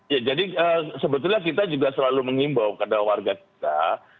ya jadi sebetulnya kita juga selalu mengimbau kepada warga kita